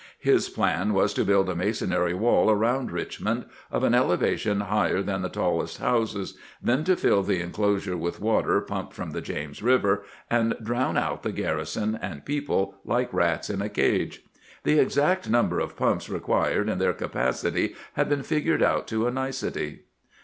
His plan was to build a masonry waU around Richmond, of an elevation higher than the tallest houses, then to fill the inclosure with water pumped from the James River, and drown out the gar rison and people like rats in a cage. The exact number of pumps required and their capacity had been figured out to a nicety.